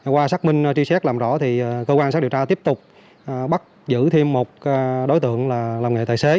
qua xác minh tri xét làm rõ thì cơ quan xác điều tra tiếp tục bắt giữ thêm một đối tượng là làm nghệ tài xế